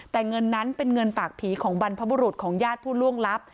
แต่เงินนั้นเป็นเงินปากผีของบรรพบุรุษของญาติผู้ล่วงลับ